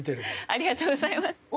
ありがとうございます。